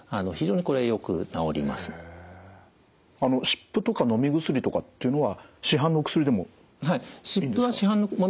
湿布とかのみ薬とかっていうのは市販のお薬でもいいんですか？